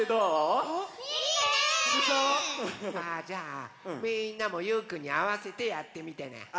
じゃあみんなもゆうくんにあわせてやってみてね。